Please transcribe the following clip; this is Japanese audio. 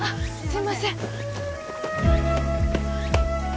すいません